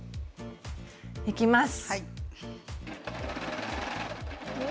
いきます！